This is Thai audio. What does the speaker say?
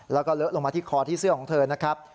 แล้วก็เลอะลงมาที่คอที่เสื้อของเธอนะครับ